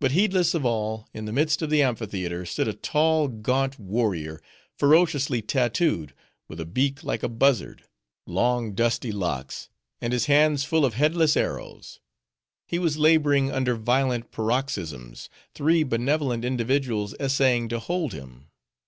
But heedless of all, in the midst of the amphitheater, stood a tall, gaunt warrior, ferociously tattooed, with a beak like a buzzard; long dusty locks; and his hands full of headless arrows. He was laboring under violent paroxysms; three benevolent individuals essaying to hold him.